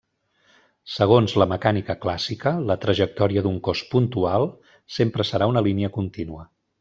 Segons la mecànica clàssica, la trajectòria d'un cos puntual sempre serà una línia contínua.